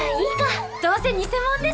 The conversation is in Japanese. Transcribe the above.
どうせ偽物ですもんね。